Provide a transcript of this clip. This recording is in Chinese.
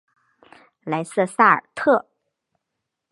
莱瑟萨尔特。